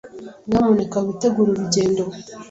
Nyamuneka witegure urugendo.